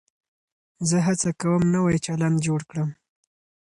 زه هڅه کوم نوی چلند جوړ کړم.